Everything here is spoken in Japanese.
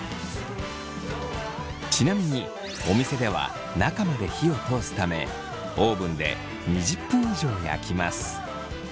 ちなみにお店では中まで火を通すためオーブンで２０分以上焼きます。